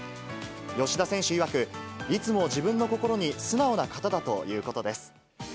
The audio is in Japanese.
吉田選手いわく、いつも自分の心に素直な方だということです。